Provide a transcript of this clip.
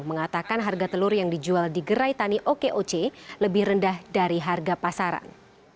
mengatakan harga telur yang dijual di gerai tani okoc lebih rendah dari harga pasaran